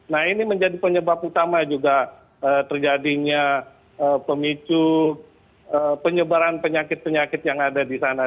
nah ini menjadi penyebab utama juga terjadinya pemicu penyebaran penyakit penyakit yang ada di sana